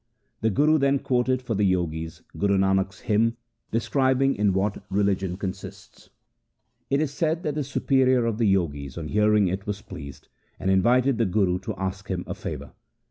252. LIFE OF GURU ANGAD 17 then quoted for the Jogis Guru Nanak's hymn describing in what religion consists. It is said that the superior of the Jogis on hearing it was pleased, and invited the Guru to ask him a favour.